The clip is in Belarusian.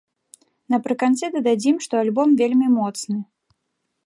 Напрыканцы дададзім, што альбом вельмі моцны!